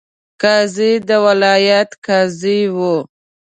قاضي د ولایت قاضي وو.